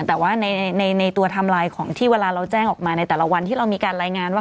แต่ว่าในตัวไทม์ไลน์ของที่เวลาเราแจ้งออกมาในแต่ละวันที่เรามีการรายงานว่า